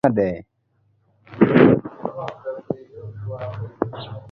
Chunyi rach manade?